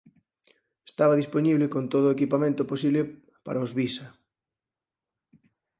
Estaba dispoñible con todo o equipamento posible para os Visa.